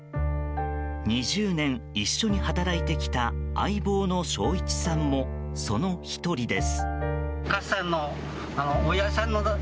２０年、一緒に働いてきた相棒の正一さんもその１人です。